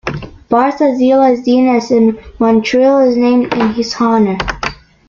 Parc Azellus-Denis in Montreal is named in his honour.